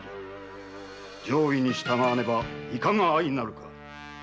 上意に従わねばいかが相なるか！